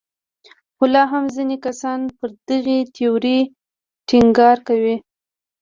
خو لا هم ځینې کسان پر دغې تیورۍ ټینګار کوي.